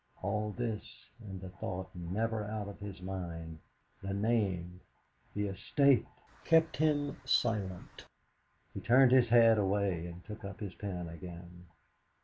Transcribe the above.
all this, and the thought, never out of his mind, 'The name the estate!' kept him silent. He turned his head away, and took up his pen again.